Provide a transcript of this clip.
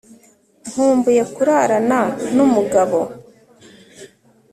nkumbuye kurarana n'umugabo